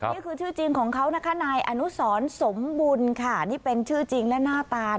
นี่คือชื่อจริงของเขานะคะนายอนุสรสมบุญค่ะนี่เป็นชื่อจริงและหน้าตา